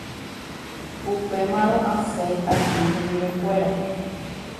Upémarõ asẽ aju hendivekuéra.